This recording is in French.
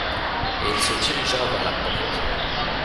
Et il se dirigea vers la porte.